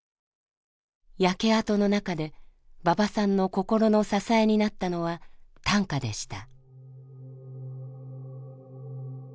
焼け跡の中で馬場さんの心の支えになったのは短歌でした。